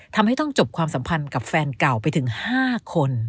ทำให้ต้องจบความสัมพันธ์กับแฟนเก่าไปถึง๕คน